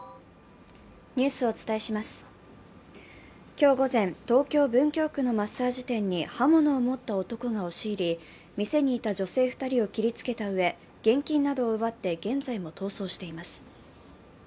今日午前、東京・文京区のマッサージ店に刃物を持った男が押し入り、店にいた女性２人を切りつけたうえ現金などを奪って現在も逃走しています。